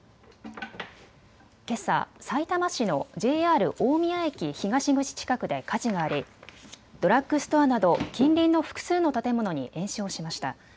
けさ、さいたま市のＪＲ大宮駅東口近くで火事がありドラッグストアなど近隣の複数の建物に延焼しました。